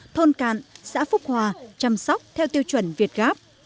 thôn cạn xã phúc hòa chăm sóc theo tiêu chuẩn việt gáp